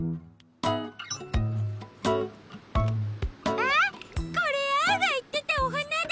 あっこれアオがいってたおはなだ！